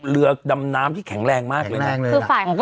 เรือดำน้ำที่แข็งแรงมากเลยนะ